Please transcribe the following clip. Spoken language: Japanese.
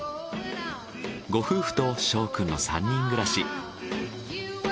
ご夫婦と翔くんの３人暮らし。